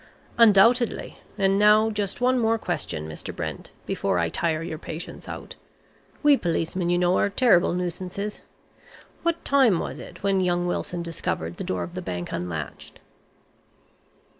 "Undoubtedly. And now just one more question, Mr. Brent, before I tire your patience out. We policemen, you know, are terrible nuisances. What time was it when young Wilson discovered the door of the bank unlatched?"